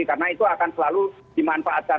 karena itu akan selalu dimanfaatkan